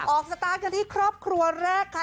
สตาร์ทกันที่ครอบครัวแรกค่ะ